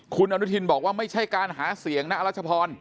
คุณอนุทินบอกว่าไม่ใช่การหาเสียงนะอรัชพร